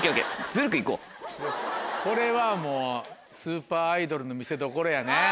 これはもうスーパーアイドルの見せどころやね。